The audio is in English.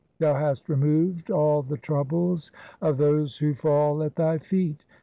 Thou hast removed all the troubles of those Who fall at Thy feet.